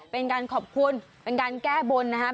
เป็นการขอบคุณเป็นการแก้บนนะครับ